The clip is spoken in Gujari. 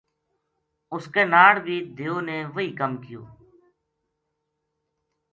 اس کے ناڑ بھی دیو نے وہی کم کیو